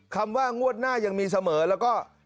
คำว่างวดหน้ายังมีเสมอแล้วก็